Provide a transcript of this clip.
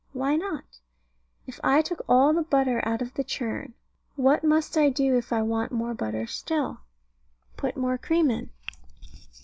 Why not? If I took all the butter out of the churn, what must I do if I want more butter still? Put more cream in.